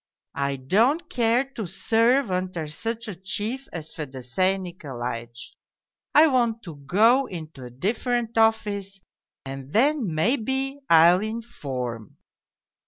I don't care to serve under such a chief as Fedosey Nikolaitch. I want to go into a different office and then, maybe, I'll inform.'